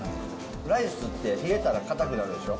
ライスって冷えたら硬くなるでしょ。